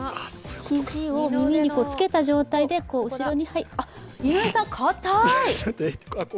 肘を耳につけた状態で後ろに井上さん、硬い！